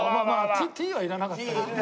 Ｔはいらなかったけどね。